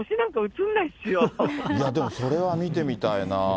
でもそれは見てみたいな。